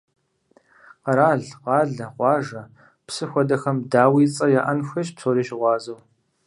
Къэрал, къалэ, къуажэ, псы хуэдэхэм, дауи, цӀэ яӀэн хуейщ псори щыгъуазэу.